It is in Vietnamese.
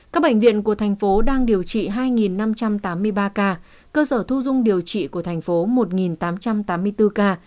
các bệnh viện của thành phố đang điều trị hai năm trăm tám mươi ba ca cơ sở thu dung điều trị của thành phố một tám trăm tám mươi bốn ca